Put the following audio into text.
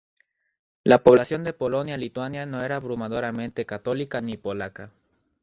La población de Polonia-Lituania no era abrumadoramente católica ni polaca.